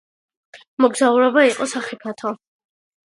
მოგზაურობა იყო სახიფათო.